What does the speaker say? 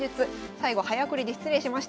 最後早送りで失礼しました。